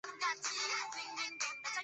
兰屿鱼藤为豆科鱼藤属下的一个种。